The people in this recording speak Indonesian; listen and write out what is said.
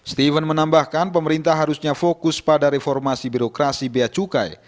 steven menambahkan pemerintah harusnya fokus pada reformasi birokrasi biaya cukai